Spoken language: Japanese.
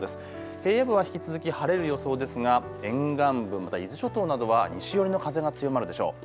平野部は引き続き晴れる予想ですが沿岸部また伊豆諸島などは西寄りの風が強まるでしょう。